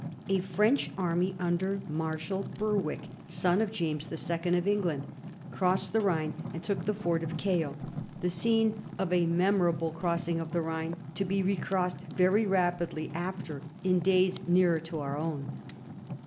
A French army under Marshal Berwick, son of James the Second of England, crossed the Rhine and took the fort of Kehl — the scene of a memorable crossing of the Rhine, to be recrossed very rapidly after, in days nearer to our own.